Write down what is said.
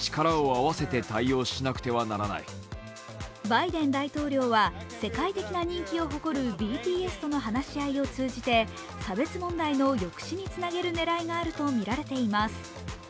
バイデン大統領は世界的な人気を誇るＢＴＳとの話し合いを通じて差別問題の抑止につなげる狙いがあるとみられています。